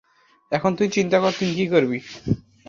এখন তুই চিন্তা কর তুই কী করবি।